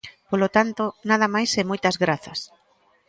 Polo tanto, nada máis e moitas grazas.